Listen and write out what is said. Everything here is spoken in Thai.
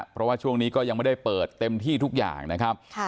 เพราะว่าช่วงนี้ก็ยังไม่ได้เปิดเต็มที่ทุกอย่างนะครับ